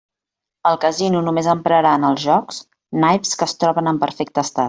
El casino només emprarà en els jocs naips que es troben en perfecte estat.